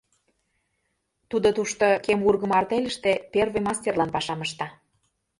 Тудо тушто кем ургымо артельыште первый мастерлан пашам ышта.